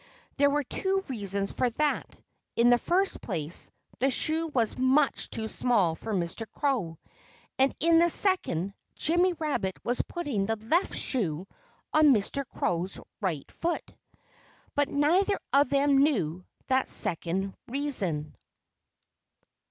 There were two reasons for that. In the first place, the shoe was much too small for Mr. Crow. And in the second, Jimmy Rabbit was putting the left shoe on Mr. Crow's right foot. But neither of them knew that second reason.